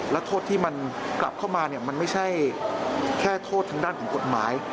และโทษที่มันกลับเข้ามามันไม่ใช่แค่โทษทางด้านของกฎหมาย